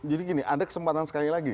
jadi gini ada kesempatan sekali lagi